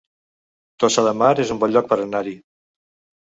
Tossa de Mar es un bon lloc per anar-hi